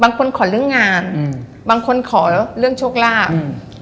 ขอเรื่องงานอืมบางคนขอเรื่องโชคลาภอืม